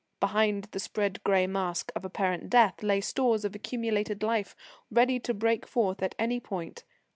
Behind the spread grey masque of apparent death lay stores of accumulated life, ready to break forth at any point.